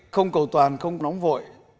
không cầu toàn không nóng vội